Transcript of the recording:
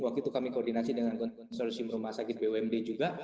waktu itu kami koordinasi dengan konsorsium rumah sakit bumd juga